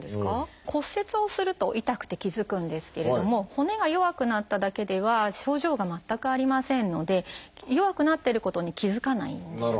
骨折をすると痛くて気付くんですけれども骨が弱くなっただけでは症状が全くありませんので弱くなってることに気付かないんですね。